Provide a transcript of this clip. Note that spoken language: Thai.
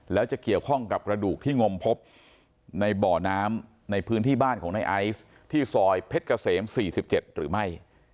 แล้วจะเกี่ยวข้องกับกระดูกที่งมพบในบ่อน้ำในพื้นที่บ้านของในไอซ์ที่ซอยเพชรเกษม๔๗หรือไม่